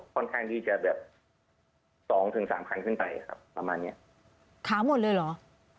ค่อนข้างที่จะแบบสองถึงสามคันขึ้นไปครับประมาณเนี้ยถามหมดเลยเหรอ